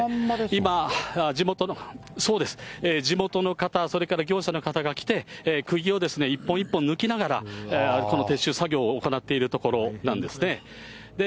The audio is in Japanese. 今、地元の方、それから業者の方が来て、くぎを一本一本抜きながら、この撤収作業を行っているところなんですね。